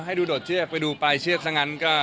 ให้ดูโดดเชือกไปดูปลายเชือกซะงั้นก็